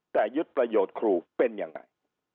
แต่ยึดประโยชน์ครูเป็นยังไง